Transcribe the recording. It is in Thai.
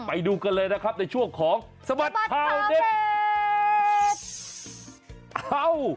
ไปดูกันเลยนะครับในช่วงของสบัดข่าวเด็ด